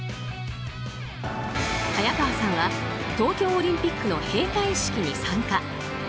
早川さんは東京オリンピックの閉会式に参加。